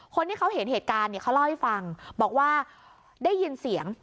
คนที่เขาเห็นเหตุการณ์เนี่ยเขาเล่าให้ฟังบอกว่าได้ยินเสียง